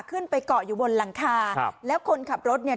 ขึ้นไปเกาะอยู่บนหลังคาครับแล้วคนขับรถเนี่ย